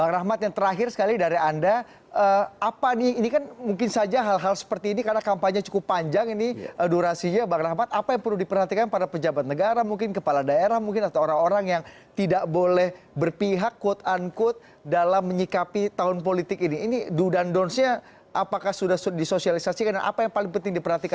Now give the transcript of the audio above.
bang rahmat yang terakhir sekali dari anda apa nih ini kan mungkin saja hal hal seperti ini karena kampanye cukup panjang ini durasinya bang rahmat apa yang perlu diperhatikan para pejabat negara mungkin kepala daerah mungkin atau orang orang yang tidak boleh berpihak quote unquote dalam menyikapi tahun politik ini ini do dan don'tsnya apakah sudah disosialisasikan apa yang paling penting diperhatikan